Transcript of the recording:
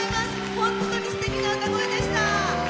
本当にすてきな歌声でした！